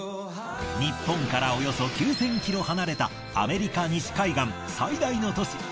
日本からおよそ９，０００ｋｍ離れたアメリカ西海岸最大の都市